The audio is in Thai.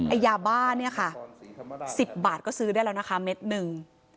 ไอ้ยาบ้าเนี่ยค่ะ๑๐บาทก็ซื้อได้แล้วนะคะเม็ดหนึ่ง